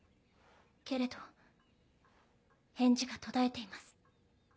けれど返事が途絶えています。